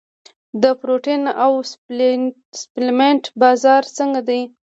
د پروټین او سپلیمنټ بازار څنګه دی؟